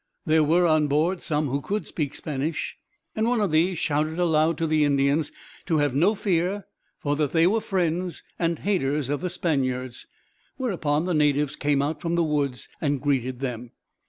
There were on board some who could speak Spanish, and one of these shouted aloud to the Indians to have no fear, for that they were friends, and haters of the Spaniards; whereupon the natives came out from the woods, and greeted them.